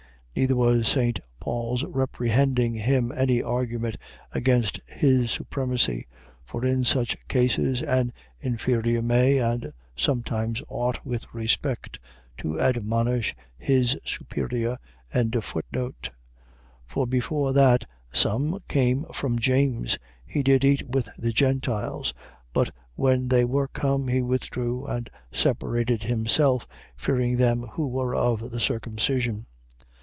Neither was St. Paul's reprehending him any argument against his supremacy; for in such cases an inferior may, and sometimes ought, with respect, to admonish his superior. 2:12. For before that some came from James, he did eat with the Gentiles: but when they were come, he withdrew and separated himself, fearing them who were of the circumcision.